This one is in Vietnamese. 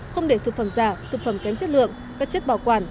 không để thực phẩm giả thực phẩm kém chất lượng các chất bảo quản